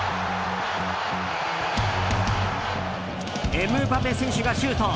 エムバペ選手がシュート！